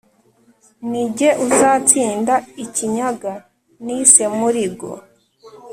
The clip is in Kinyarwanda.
ni jye uzatsinda i kinyaga nice muligo;